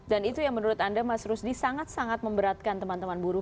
dan itu yang menurut anda mas rusdy sangat sangat memberatkan teman teman buruk